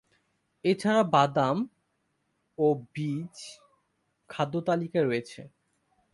এছাড়া বাদাম ও বীজ খাদ্যতালিকায় রয়েছে।